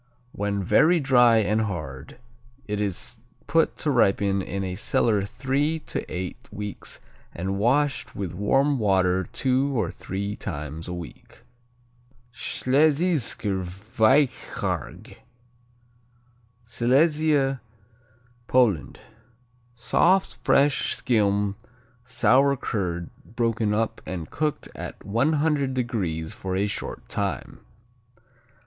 When very dry and hard, it is put to ripen in a cellar three to eight weeks and washed with warm water two or three times a week. Schlesischer Weichquarg Silesia, Poland Soft, fresh skim, sour curd, broken up and cooked at 100° for a short time.